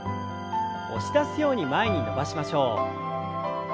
押し出すように前に伸ばしましょう。